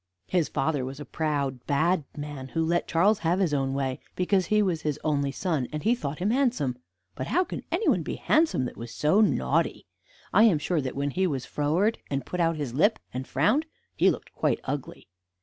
His father was a proud, bad man, who let Charles have his own way, because he was his only son, and he thought him handsome. But how could anyone be handsome that was so naughty? I am sure that when he was froward, and put out his lip, and frowned, he looked quite ugly.